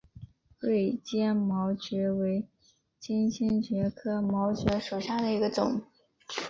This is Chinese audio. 锐尖毛蕨为金星蕨科毛蕨属下的一个种。